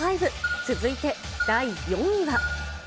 続いて第４位は。